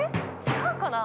違うかな。